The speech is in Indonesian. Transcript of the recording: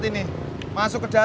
oh ini masuk banget pak